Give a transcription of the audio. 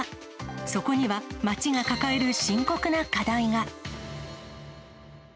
そこには、町が抱える深刻な課題が。